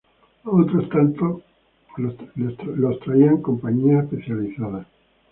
A otros tantos los traían compañías especializadas.